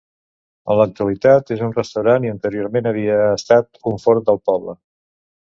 En l'actualitat és un restaurant i anteriorment havia estat forn del poble.